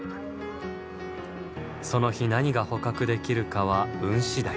その日何が捕獲できるかは運次第。